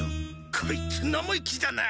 こいつ生意気だな！